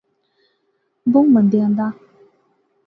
بہوں مندیاں دا